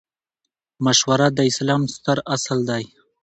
مشوره د اسلام ستر اصل دئ.